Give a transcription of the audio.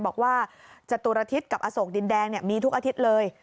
บอกว่าจตุรทิศกับอโศกดินแดงมีทุกอาทิตย์เลย